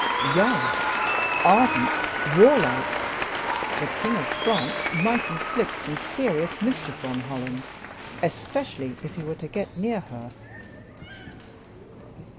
Young, ardent, warlike, the king of France might inflict some serious mischief on Holland, especially if he were to get near her."